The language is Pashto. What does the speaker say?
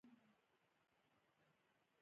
افغانستان په خپلو پسونو باندې خورا غني هېواد دی.